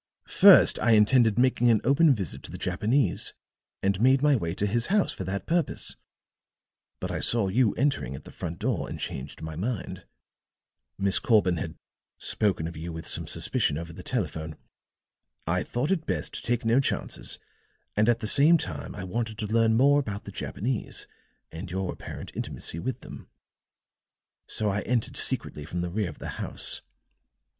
"First I intended making an open visit to the Japanese, and made my way to his house for that purpose. But I saw you entering at the front door and changed my mind. Miss Corbin had spoken of you with some suspicion over the telephone. I thought it best to take no chances and at the same time I wanted to learn more about the Japanese and your apparent intimacy with them. So I entered secretly from the rear of the house.